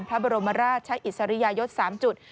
พระบรมราชอิสริยยศ๓จุด